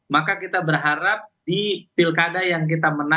maka kita berharap di pilkada yang kita menangkan